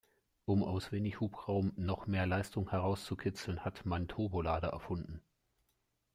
Um aus wenig Hubraum noch mehr Leistung herauszukitzeln, hat man Turbolader erfunden.